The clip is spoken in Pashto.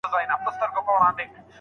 ولي له کوره وتل د اجازې پوري تړلي دي؟